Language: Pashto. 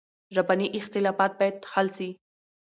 ژبني اختلافات باید حل سي.